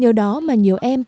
nhiều đó mà nhiều em không biết